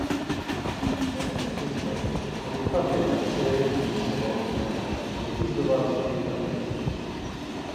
Mēs, iespējams, arī pabijām sēļu mirušo valstībā, bet izdevās arī atgriezties.